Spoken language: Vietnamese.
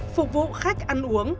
phục vụ khách ăn uống